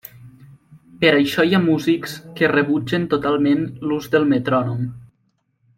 Per això hi ha músics que rebutgen totalment l'ús del metrònom.